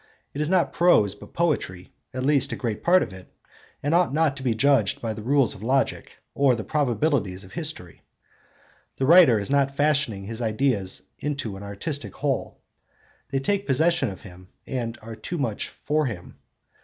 It is not prose but poetry, at least a great part of it, and ought not to be judged by the rules of logic or the probabilities of history. The writer is not fashioning his ideas into an artistic whole; they take possession of him and are too much for him.